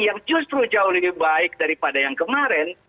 yang justru jauh lebih baik daripada yang kemarin